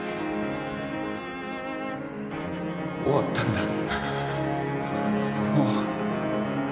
終わったんだもう。